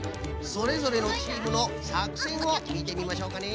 それぞれのチームのさくせんをみてみましょうかね。